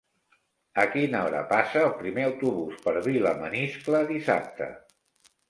A quina hora passa el primer autobús per Vilamaniscle dissabte?